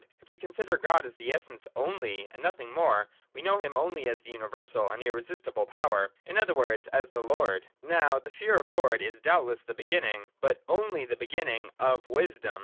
If we consider God as the Essence only, and nothing more, we know him only as the universal and irresistible Power ; in other words, as the Lord. Now the fear of the Lord is, doubtless, the beginning, — but only the beginning, of wisdom.